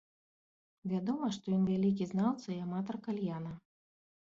Вядома, што ён вялікі знаўца і аматар кальяна.